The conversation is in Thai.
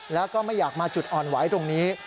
แล้วก็ไม่อยากมาจุดอ่อนไหวตรงนี้